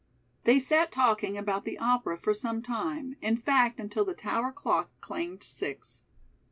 They sat talking about the opera for some time, in fact, until the tower clock clanged six.